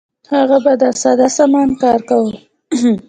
هغه به په ساده سامان کار کاوه.